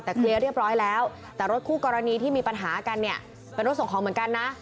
แต่เคลียร์เรียบร้อยแล้วแต่รถคู่กรณีที่มีปัญหากันเนี่ยเป็นรถส่งของเหมือนกันนะ